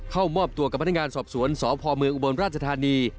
เข้ามอบตัวกับพนักงานสอบสวนสพเมืองอุบลราชธานี